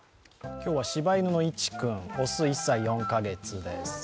今日はしば犬のいち君、雄、１歳４カ月です。